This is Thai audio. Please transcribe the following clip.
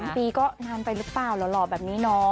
ปีก็นานไปหรือเปล่าหล่อแบบนี้เนาะ